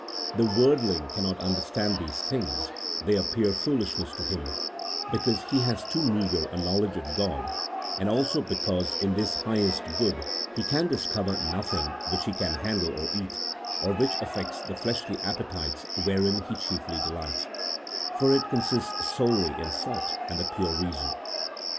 The worldling cannot understand these things, they appear foolishness to him, because he has too meagre a knowledge of God, and also because in this highest good he can dis cover nothing which he can handle or eat, or which affects the fleshly appetites wherein he chiefly delights, for it con sists solely in thought and the pure reason.